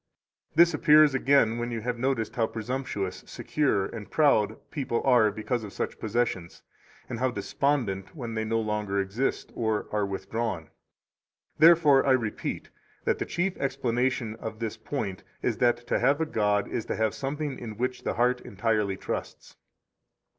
This appears again when you notice how presumptuous, secure, and proud people are because of such possessions, and how despondent when they no longer exist or are withdrawn. Therefore I repeat that the chief explanation of this point is that to have a god is to have something in which the heart entirely trusts.